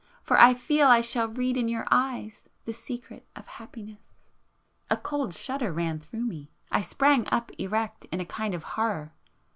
For I feel I shall read in your eyes the secret of happiness!" A cold shudder ran through me,—I sprang up erect, in a kind of horror.